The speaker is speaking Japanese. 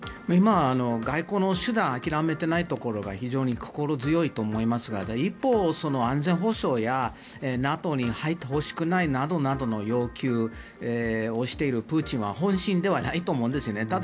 今、外交の手段を諦めていないところが非常に心強いと思いますが一方、安全保障やＮＡＴＯに入ってほしくないなどの要求をしているプーチンは本心ではないと思うんですね。